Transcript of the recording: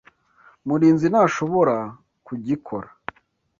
Murinzi ntashobora kugikora.